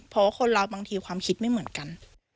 เพราะว่าคนเราบางทีความคิดไม่เหมือนกัน